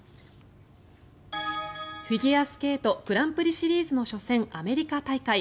フィギュアスケートグランプリシリーズの初戦アメリカ大会。